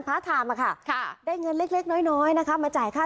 พาร์ทท่ามาค่ะค่ะได้เงินเล็กน้อยนะคะมาจ่ายค่า